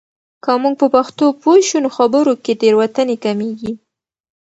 که موږ په پښتو پوه شو، نو خبرو کې تېروتنې کمېږي.